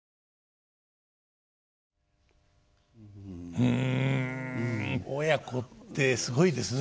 うん親子ってすごいですね。